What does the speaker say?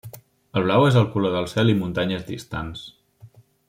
El blau és el color del cel i muntanyes distants.